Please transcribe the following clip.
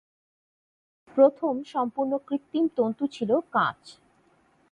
প্রথম সম্পূর্ণ কৃত্রিম তন্তু ছিল কাচ।